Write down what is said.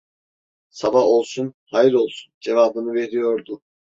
Sabah olsun, hayır olsun, cevabını veriyordu.